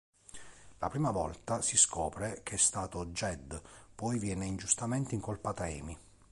La prima volta si scopre che è stato Jed, poi viene ingiustamente incolpata Amy.